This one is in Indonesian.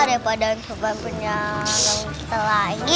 daripada yang sopan penyamang kita lagi